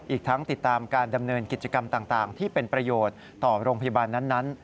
อีกทั้งติดตามการดำเนินกิจกรรมต่างที่เป็นประโยชน์ต่อโรงพยาบาลนั้น